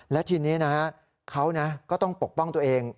และทีนี้นะฮะเขาก็ต้องปกป้องตัวเอง